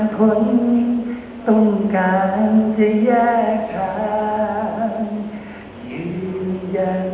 ขอบคุณทุกคนมากครับที่รักโจมตีที่ทุกคนรัก